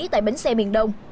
tại bến xe miền đông